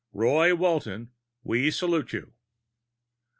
Roy Walton, we salute you!"